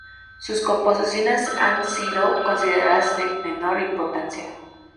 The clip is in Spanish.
Sus composiciones han sido consideradas de menor importancia.